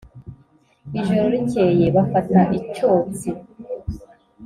ijoro ricyeye bafata icyotsi